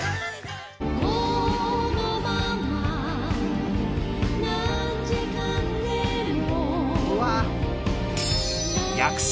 「このまま何時間でも」